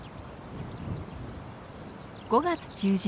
５月中旬。